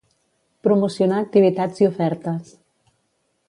Promocionar activitats i ofertes